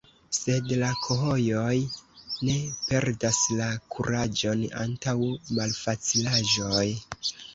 Sed la khojoj ne perdas la kuraĝon antaŭ malfacilaĵoj.